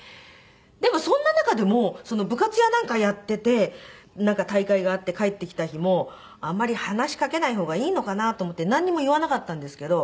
でもそんな中でも部活やなんかやっていてなんか大会があって帰ってきた日もあんまり話しかけない方がいいのかなと思ってなんにも言わなかったんですけど。